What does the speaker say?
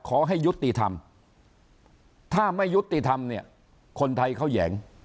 ขอให้ยุติธรรมถ้าไม่ยุติธรรมเนี่ยคนไทยเขาแหยง